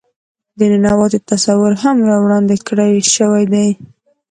د ننواتې تصور هم را وړاندې کړے شوے دے.